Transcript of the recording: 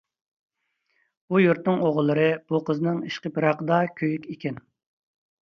بۇ يۇرتنىڭ ئوغۇللىرى بۇ قىزنىڭ ئىشقى-پىراقىدا كۆيۈك ئىكەن.